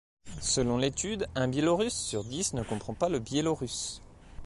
Selon l’étude, un Biélorusse sur dix ne comprend pas le biélorusse.